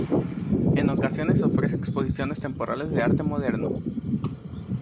En ocasiones ofrece exposiciones temporales de arte moderno.